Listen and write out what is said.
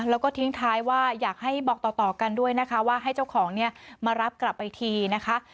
แล้วก็ทิ้งท้ายว่าอยากให้บอกต่อกันด้วยนะคะว่าให้เจ้าของเนี่ยมารับกลับไปทีนะคะ